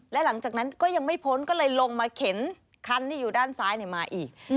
และหลังจากนั้นก็ยังไม่พ้นก็เลยลงมาเข็นคันที่อยู่ด้านซ้ายมาอีก